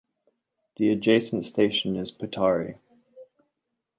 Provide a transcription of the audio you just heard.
The adjacent station is Petare.